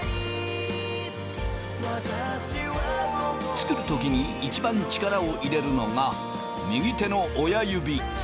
作る時に一番力を入れるのが右手の親指。